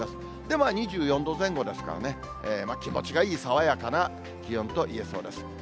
まあ２４度前後ですからね、気持ちがいい爽やかな気温と言えそうです。